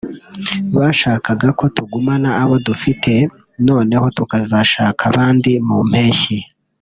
bashakaga ko tugumana abo dufite noneho tukazashaka abandi mu mpeshyi